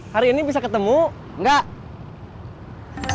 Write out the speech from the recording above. hari ini bisa ketemu enggak